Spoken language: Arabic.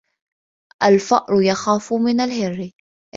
الْفَأْرُ يَخَافُ مِنَ الْهِرِّ.